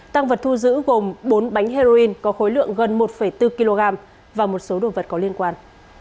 tăng vật thu giữ gồm bốn bánh heroin có khối lượng gần một bốn kg và một số đồ vật có liên quan